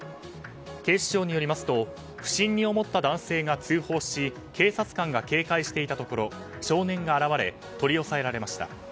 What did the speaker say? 警視庁によりますと不審に思った男性が通報し警察官が警戒していたところ少年が現れ取り押さえられました。